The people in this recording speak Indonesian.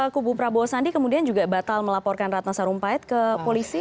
kubu prabowo sandi kemudian juga batal melaporkan ratna sarumpait ke polisi